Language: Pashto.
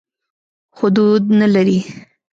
خو دود نه لري.